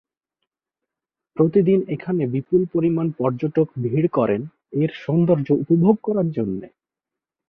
প্রতিদিন এখানে বিপুল পরিমাণ পর্যটক ভীড় করেন এর সৌন্দর্য উপভোগ করার জন্য।